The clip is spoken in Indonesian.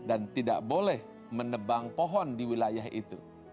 untuk mengembang pohon di wilayah itu